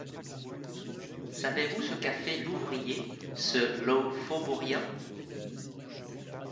Savez-vous ce qu’a fait l’ouvrier, ce Law faubourien